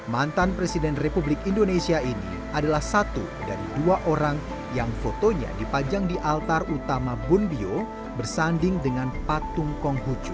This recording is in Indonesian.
mantan presiden republik indonesia ini adalah satu dari dua orang yang fotonya dipajang di altar utama bonbyo bersanding dengan patung konghucu